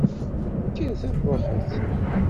Kkret, ad nṛuḥet!